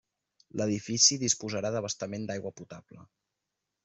L'edifici disposarà d'abastament d'aigua potable.